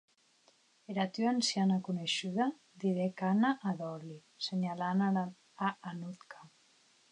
Era tua anciana coneishuda, didec Anna a Dolly, senhalant a Anuchka.